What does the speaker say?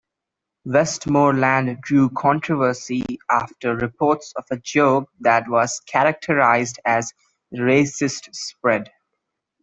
Westmoreland drew controversy after reports of a joke that was characterized as "racist" spread.